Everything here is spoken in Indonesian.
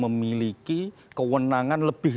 memiliki kewenangan lebih